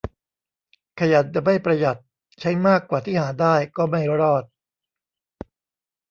ขยันแต่ไม่ประหยัด ใช้มากกว่าที่หาได้ ก็ไม่รอด